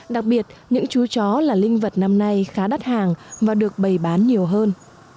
đặc biệt những chú chó là linh vật năm nay khá đắt hàng và được bày bán nhiều hơn